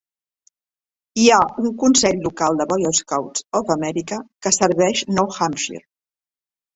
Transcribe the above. Hi ha un consell local de Boy Scouts of America que serveix Nou Hampshire.